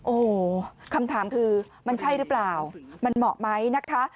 โอ้โหคำถามคือมันใช่หรือเปล่ามันเหมาะไหมนะคะ